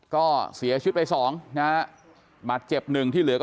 ก็เสียชุดไป๒นะมาตรเจ็บหนึ่งที่เหลือก็